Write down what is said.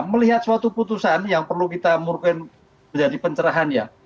melihat suatu putusan yang perlu kita mungkin menjadi pencerahan ya